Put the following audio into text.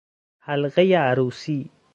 حلقهی عروسی